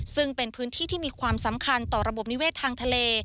ซึ่งเป็นพื้นที่ที่มีความสำคัญต่อระบบนิเวศทางทะเล